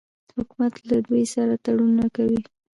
حکومت له دوی سره تړونونه کوي.